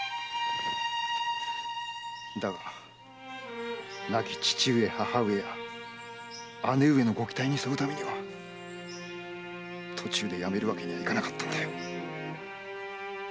だが亡き父上母上や姉上のご期待に添うためには途中でやめるわけにはいかなかったんだよ。